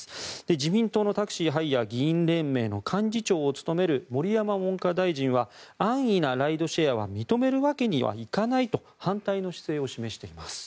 自民党のタクシー・ハイヤー議員連盟の幹事長を務める盛山文科大臣は安易なライドシェアは認めるわけにはいかないと反対の姿勢を示しています。